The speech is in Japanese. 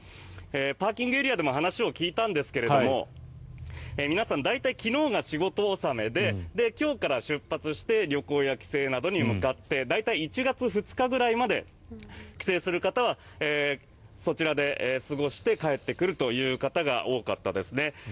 パーキングエリアでも話を聞いたんですが皆さん、大体昨日が仕事納めで今日から出発して旅行や帰省などに向かって大体１月２日くらいまで帰省する方はそちらで過ごして帰ってくるという方が多かったですね。